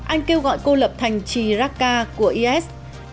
anh kêu gọi cô lập thành chiraka của is